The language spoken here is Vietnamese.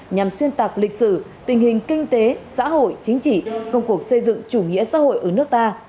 nhằm xuyên tạc lịch sử tình hình kinh tế xã hội chính trị công cuộc xây dựng chủ nghĩa xã hội ở nước ta